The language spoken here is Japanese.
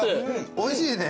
おいしいね。